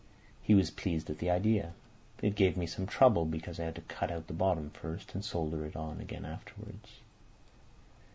He was pleased at the idea. It gave me some trouble, because I had to cut out the bottom first and solder it on again afterwards.